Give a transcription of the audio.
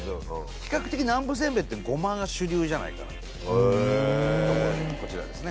比較的南部せんべいってごまが主流じゃないかなとへえこちらですね